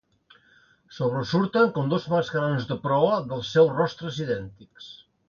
Sobresurten com dos mascarons de proa dels seus rostres idèntics.